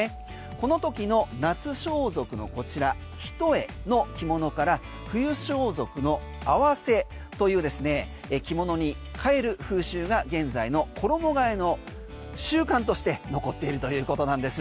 このときの夏装束の、こちらひとえの着物から冬装束のあわせという着物に変える風習が現在の衣替えの習慣として残っているということなんです。